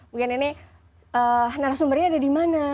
mungkin ini narasumbernya ada di mana